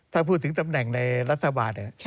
ถ้าพูดถึงตำแหน่งในรัฐบาล